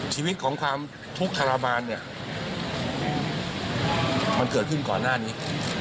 ชีวิตของความทุกข์ทรมานเนี่ยมันเกิดขึ้นก่อนหน้านี้